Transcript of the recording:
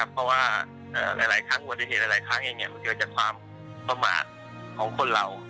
เพราะว่าหลายครั้งอุบัติเหตุหลายครั้งเองมันเกิดจากความประมาทของคนเรา